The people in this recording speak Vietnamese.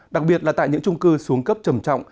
đặc biệt là tại những trung cư xuống cấp trầm trọng